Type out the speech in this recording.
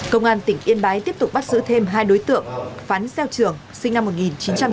công an tỉnh yên bái tiếp tục bắt giữ thêm hai đối tượng phán xeo trường sinh năm một nghìn chín trăm tám mươi